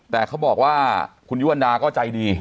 แต่เขาบอกว่าคุณยุวันดาก็ใจดี